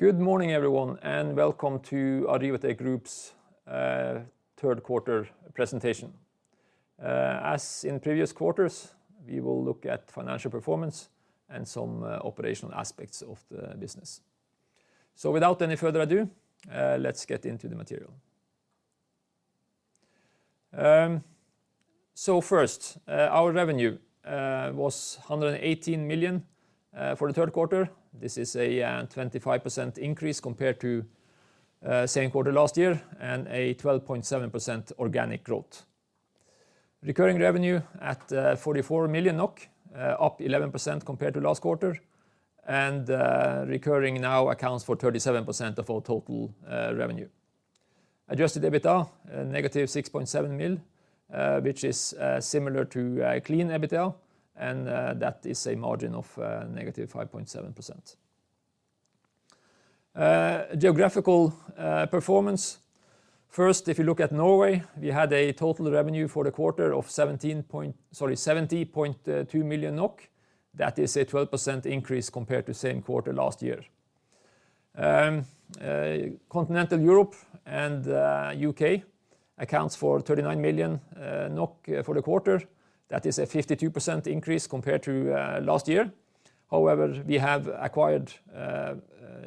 Good morning everyone, and welcome to Arribatec Group's Q3 presentation. As in previous quarters, we will look at financial performance and some operational aspects of the business. Without any further ado, let's get into the material. First, our revenue was 118 million for the Q3. This is a 25% increase compared to same quarter last year and a 12.7% organic growth. Recurring revenue at 44 million NOK, up 11% compared to last quarter. Recurring now accounts for 37% of our total revenue. Adjusted EBITDA, a negative 6.7 million, which is similar to a clean EBITDA, and that is a margin of negative 5.7%. Geographical performance. First, if you look at Norway, we had a total revenue for the quarter of 70.2 million NOK. That is a 12% increase compared to same quarter last year. Continental Europe and UK accounts for 39 million NOK for the quarter. That is a 52% increase compared to last year. However, we have acquired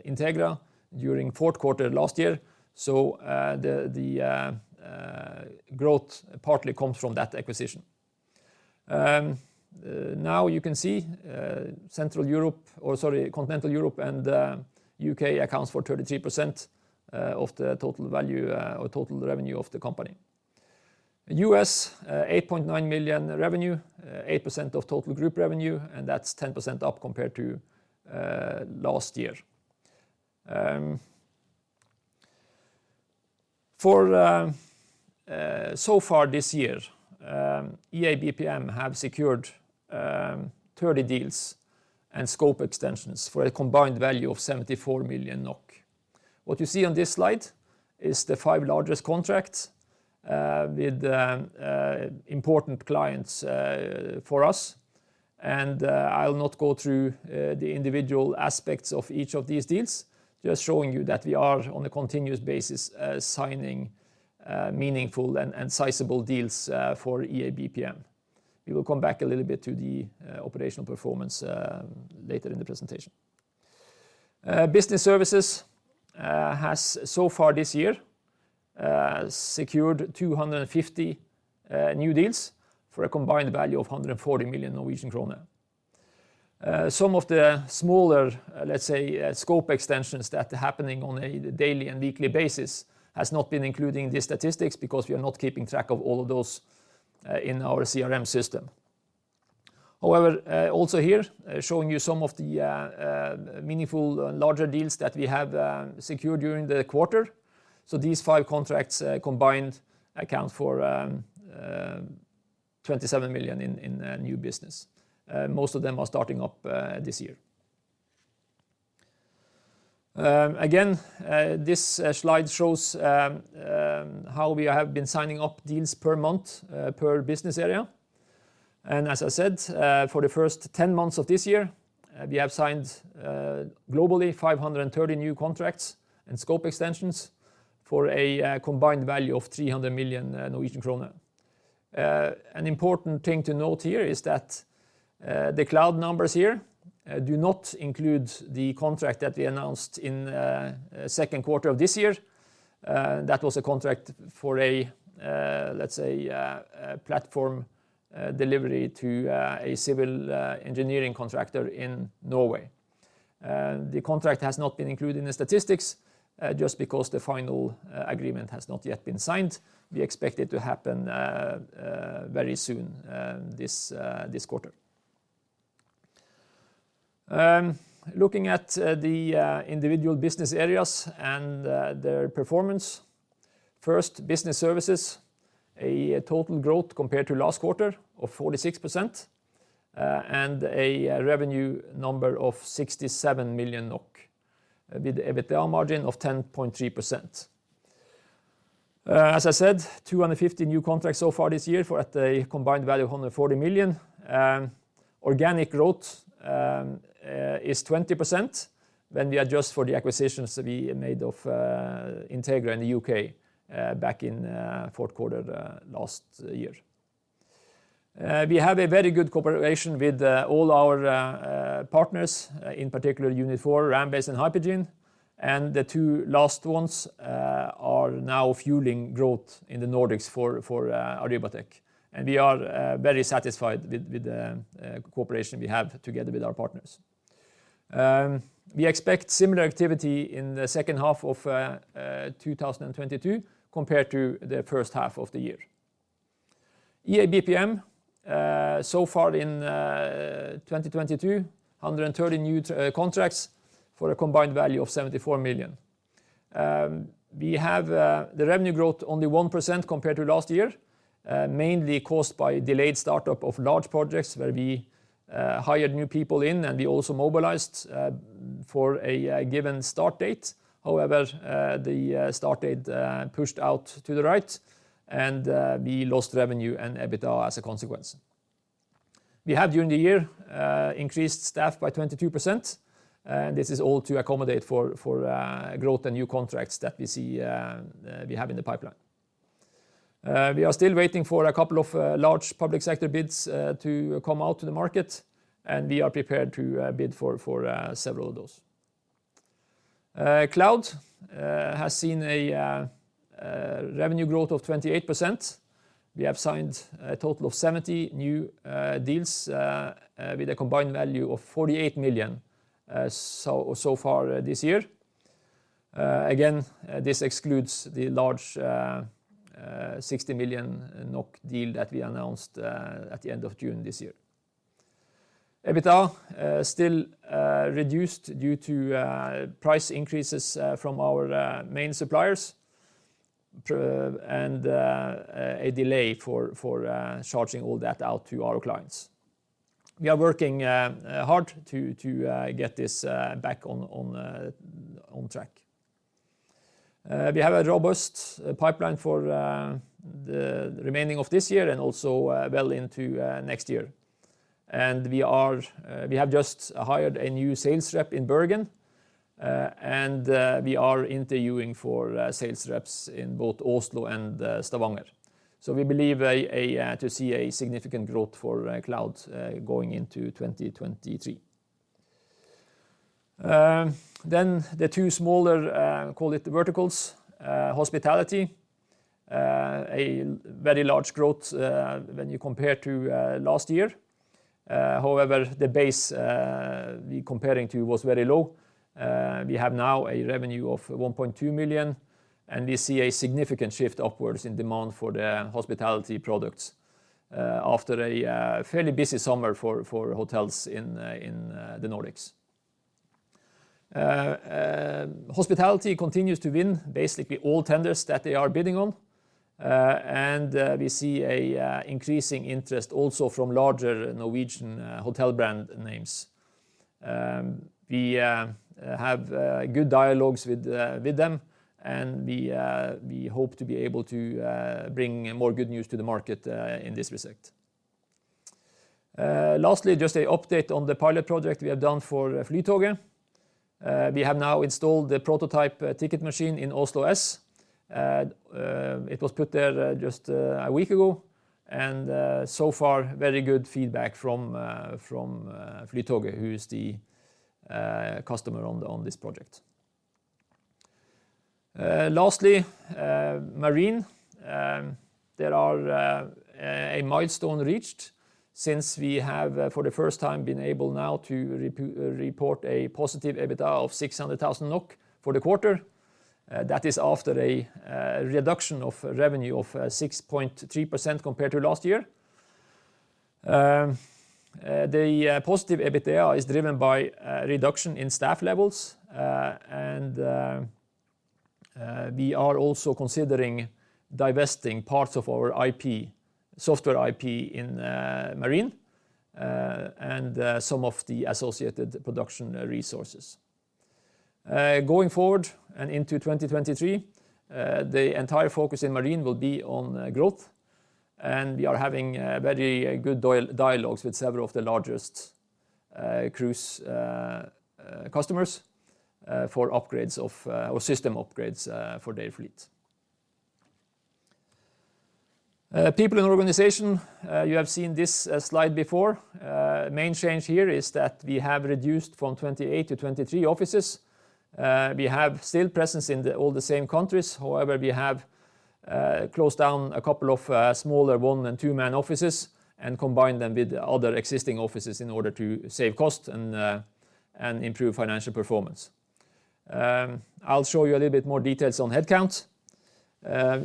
Integra during Q4 last year, so the growth partly comes from that acquisition. Now you can see, continental Europe and UK accounts for 33% of the total value or total revenue of the company. US, 8.9 million revenue, 8% of total group revenue, and that's 10% up compared to last year. So far this year, EA BPM have secured 30 deals and scope extensions for a combined value of 74 million NOK. What you see on this slide is the 5 largest contracts with important clients for us, and I'll not go through the individual aspects of each of these deals, just showing you that we are on a continuous basis signing meaningful and sizable deals for EA & BPM. We will come back a little bit to the operational performance later in the presentation. Business Services has so far this year secured 250 new deals for a combined value of 140 million Norwegian krone. Some of the smaller, let's say, scope extensions that are happening on a daily and weekly basis has not been included in these statistics because we are not keeping track of all of those in our CRM system. However, also here, showing you some of the meaningful larger deals that we have secured during the quarter. These five contracts combined account for 27 million in new business. Most of them are starting up this year. Again, this slide shows how we have been signing up deals per month, per business area. As I said, for the first 10 months of this year, we have signed globally 530 new contracts and scope extensions for a combined value of 300 million Norwegian kroner. An important thing to note here is that the Cloud numbers here do not include the contract that we announced in Q2 of this year. That was a contract for a, let's say, a platform delivery to a civil engineering contractor in Norway. The contract has not been included in the statistics just because the final agreement has not yet been signed. We expect it to happen very soon, this quarter. Looking at the individual business areas and their performance. First, business services, a total growth compared to last quarter of 46%, and a revenue number of 67 million NOK with EBITDA margin of 10.3%. As I said, 250 new contracts so far this year at a combined value of 140 million. Organic growth is 20% when we adjust for the acquisitions that we made of Integra Associates in the UK back in Q4 last year. We have a very good cooperation with all our partners in particular Unit4, RamBase and Hypergene. The two last ones are now fueling growth in the Nordics for Arribatec. We are very satisfied with the cooperation we have together with our partners. We expect similar activity in the second half of 2022 compared to the first half of the year. EA BPM so far in 2022, 130 new contracts for a combined value of 74 million. We have the revenue growth only 1% compared to last year, mainly caused by delayed startup of large projects where we hired new people in and we also mobilized for a given start date. However, the start date pushed out to the right and we lost revenue and EBITDA as a consequence. We have during the year increased staff by 22%. This is all to accommodate for growth and new contracts that we see we have in the pipeline. We are still waiting for a couple of large public sector bids to come out to the market, and we are prepared to bid for several of those. Cloud has seen a revenue growth of 28%. We have signed a total of 70 new deals with a combined value of 48 million so far this year. Again, this excludes the large 60 million NOK deal that we announced at the end of June this year. EBITDA still reduced due to price increases from our main suppliers and a delay for charging all that out to our clients. We are working hard to get this back on track. We have a robust pipeline for the remaining of this year and also well into next year. We have just hired a new sales rep in Bergen and we are interviewing for sales reps in both Oslo and Stavanger. We believe to see a significant growth for Cloud going into 2023. The two smaller call it verticals. Hospitality a very large growth when you compare to last year. However, the base we comparing to was very low. We have now a revenue of 1.2 million, and we see a significant shift upwards in demand for the Hospitality products after a fairly busy summer for hotels in the Nordics. Hospitality continues to win basically all tenders that they are bidding on. We see a increasing interest also from larger Norwegian hotel brand names. We have good dialogues with them, and we hope to be able to bring more good news to the market in this respect. Lastly, just an update on the pilot project we have done for Flytoget. We have now installed the prototype ticket machine in Oslo S. It was put there just a week ago, and so far very good feedback from Flytoget, who is the customer on this project. Lastly, Marine. There is a milestone reached since we have for the first time been able now to report a positive EBITDA of 600,000 NOK for the quarter. That is after a reduction of revenue of 6.3% compared to last year. The positive EBITDA is driven by reduction in staff levels. We are also considering divesting parts of our IP, software IP in Marine, and some of the associated production resources. Going forward and into 2023, the entire focus in Marine will be on growth, and we are having very good dialogues with several of the largest cruise customers for upgrades or system upgrades for their fleet. People and organization, you have seen this slide before. Main change here is that we have reduced from 28 to 23 offices. We have still presence in all the same countries. However, we have closed down a couple of smaller one and two-man offices and combined them with other existing offices in order to save costs and improve financial performance. I'll show you a little bit more details on headcount.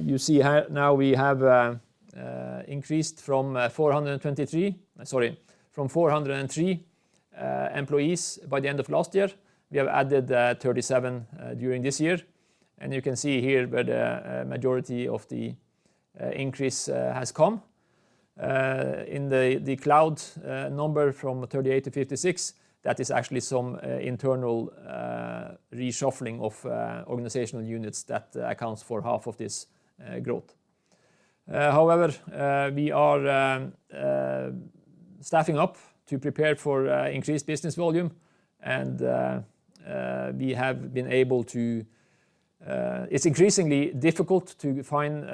You see here now we have increased from 403 employees by the end of last year. We have added 37 during this year. You can see here where the majority of the increase has come. In the Cloud number 38-56, that is actually some internal reshuffling of organizational units that accounts for half of this growth. However, we are staffing up to prepare for increased business volume. It's increasingly difficult to find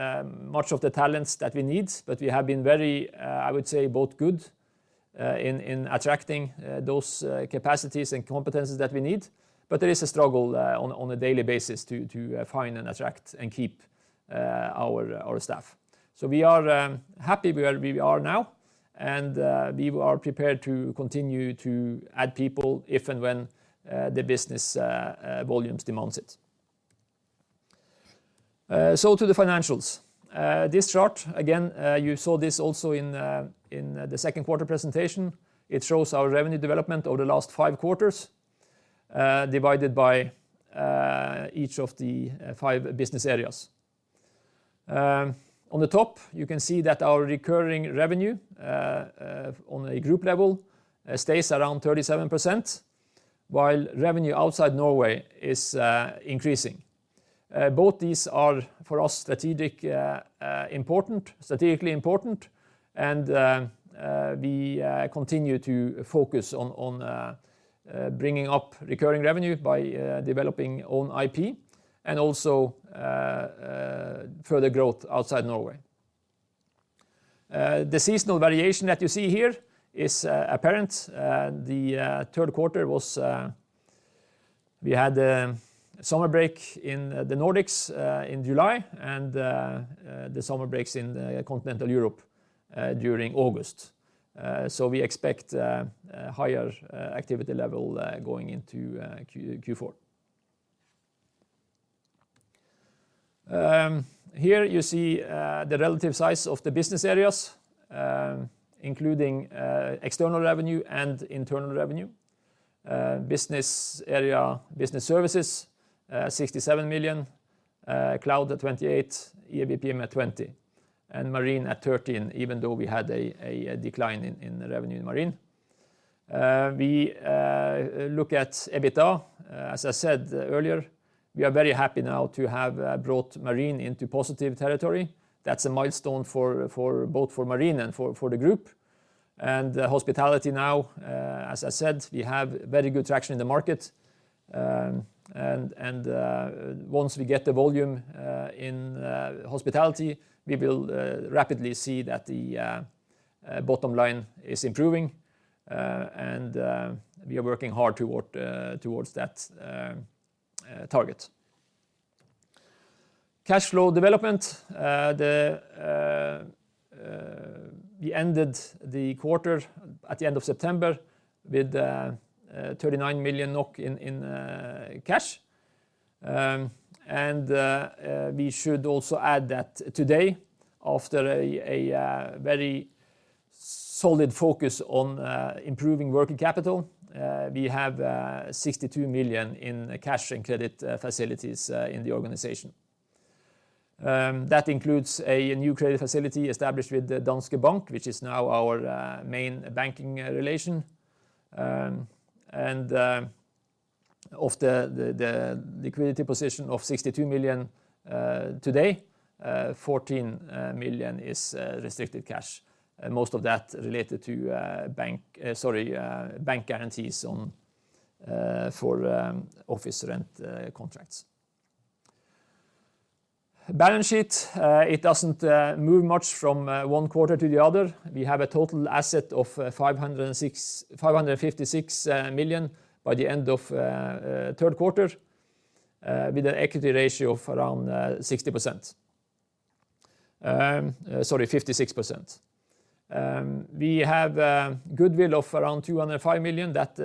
much of the talents that we need, but we have been very, I would say both good in attracting those capacities and competencies that we need. There is a struggle on a daily basis to find and attract and keep our staff. We are happy where we are now, and we are prepared to continue to add people if and when the business volumes demands it. To the financials. This chart, again, you saw this also in the Q2 presentation. It shows our revenue development over the last five quarters, divided by each of the five business areas. On the top, you can see that our recurring revenue on a group level stays around 37%, while revenue outside Norway is increasing. Both these are, for us, strategically important, and we continue to focus on bringing up recurring revenue by developing own IP and also further growth outside Norway. The seasonal variation that you see here is apparent. The Q3 was. We had a summer break in the Nordics in July and the summer breaks in continental Europe during August. We expect higher activity level going into Q4. Here you see the relative size of the business areas, including external revenue and internal revenue. Business area business services 67 million, Cloud at 28 million, EA & BPM at 20 million, and Marine at 13 million even though we had a decline in revenue in Marine. We look at EBITDA. As I said earlier, we are very happy now to have brought Marine into positive territory. That's a milestone for both Marine and the group. Hospitality now, as I said, we have very good traction in the market. Once we get the volume in hospitality, we will rapidly see that the bottom line is improving, and we are working hard toward that target. Cash flow development. We ended the quarter at the end of September with 39 million NOK in cash. We should also add that today, after a very solid focus on improving working capital, we have 62 million NOK in cash and credit facilities in the organization. That includes a new credit facility established with Danske Bank, which is now our main banking relation. Of the liquidity position of 62 million today, 14 million is restricted cash, most of that related to bank guarantees for office rent contracts. Balance sheet. It doesn't move much from one quarter to the other. We have total assets of 556 million by the end of the Q3, with an equity ratio of around 60%. Sorry, 56%. We have goodwill of around 205 million that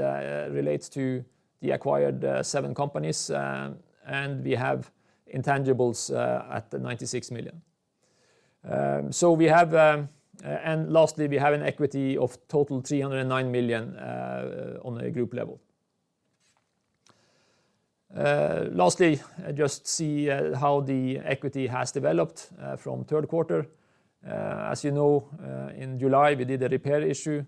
relates to the acquired seven companies, and we have intangibles at 96 million. Lastly, we have total equity of 309 million on a group level. Lastly, just see how the equity has developed from Q3. As you know, in July, we did a rights issue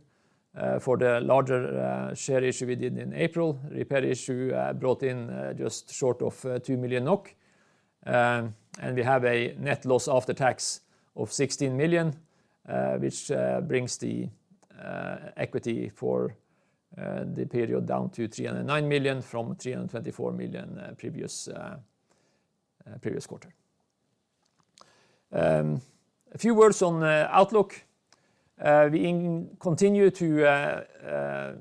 for the larger share issue we did in April. Rights issue brought in just short of 2 million NOK. We have a net loss after tax of 16 million, which brings the equity for the period down to 309 million from 324 million previous quarter. A few words on outlook. We continue to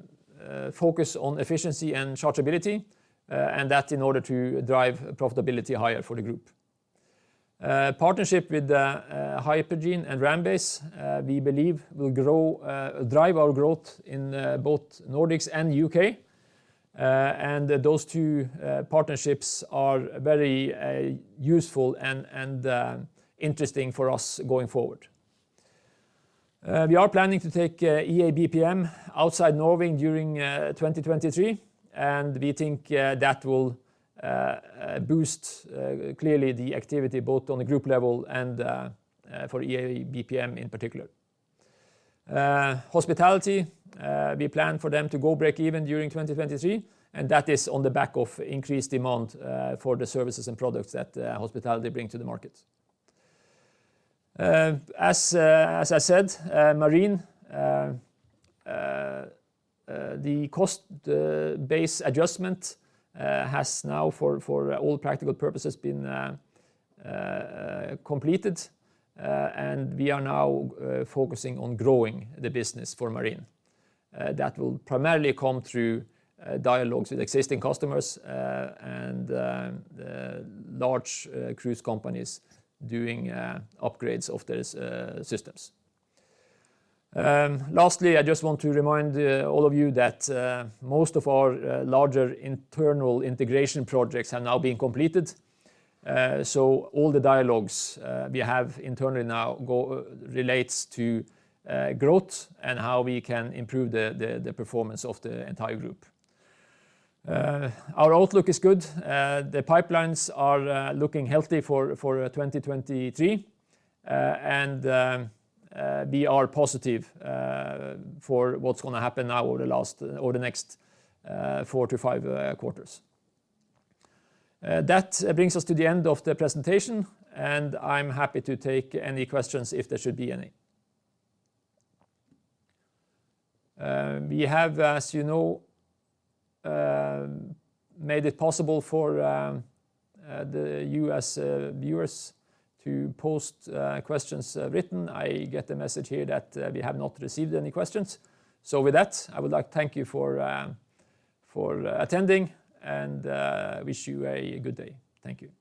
focus on efficiency and chargeability, and that in order to drive profitability higher for the group. Partnership with Hypergene and RamBase, we believe will drive our growth in both Nordics and UK. Those two partnerships are very useful and interesting for us going forward. We are planning to take EABPM outside Norway during 2023, and we think that will boost clearly the activity both on the group level and for EABPM in particular. Hospitality, we plan for them to go break even during 2023, and that is on the back of increased demand for the services and products that hospitality bring to the market. As I said, Marine, the cost base adjustment has now for all practical purposes been completed, and we are now focusing on growing the business for Marine. That will primarily come through dialogues with existing customers and large cruise companies doing upgrades of those systems. Lastly, I just want to remind all of you that most of our larger internal integration projects have now been completed. All the dialogues we have internally now relates to growth and how we can improve the performance of the entire group. Our outlook is good. The pipelines are looking healthy for 2023. We are positive for what's gonna happen now or the next 4-5 quarters. That brings us to the end of the presentation, and I'm happy to take any questions if there should be any. We have, as you know, made it possible for you as viewers to post questions written. I get a message here that we have not received any questions. With that, I would like to thank you for for attending and wish you a good day. Thank you.